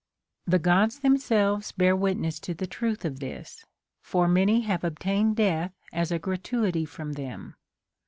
1 i. The Gods themselves bear witness to the truth of this, for many have obtained death as a gratuity from them.